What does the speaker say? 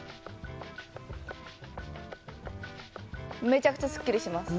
めちゃくちゃすっきりします